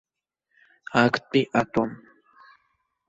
Актәи атом.